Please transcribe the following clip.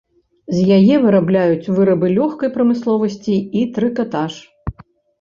З яе вырабляюць вырабы лёгкай прамысловасці і трыкатаж.